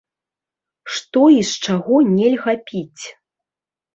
Што і з чаго нельга піць?